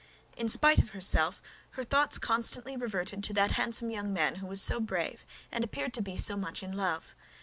In spite of herself her thoughts constantly reverted to that handsome young man who was so brave and appeared to be so much in love.